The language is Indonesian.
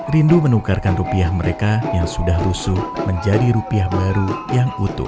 rindu menukarkan rupiah mereka yang sudah rusuh menjadi rupiah baru yang utuh